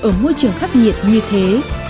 ở môi trường khắc nhiệt như thế